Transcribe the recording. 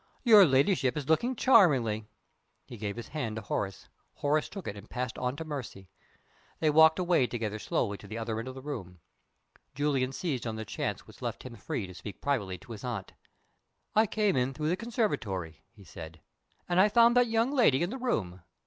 "Your ladyship is looking charmingly." He gave his hand to Horace. Horace took it, and passed on to Mercy. They walked away together slowly to the other end of the room. Julian seized on the chance which left him free to speak privately to his aunt. "I came in through the conservatory," he said. "And I found that young lady in the room.